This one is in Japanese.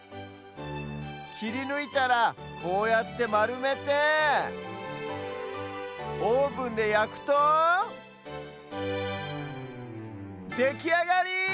きりぬいたらこうやってまるめてオーブンでやくとできあがり！